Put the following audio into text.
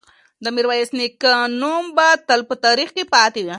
د میرویس نیکه نوم به تل په تاریخ کې پاتې وي.